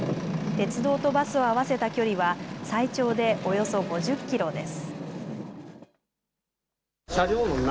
鉄道とバスを合わせた距離は、最長でおよそ５０キロです。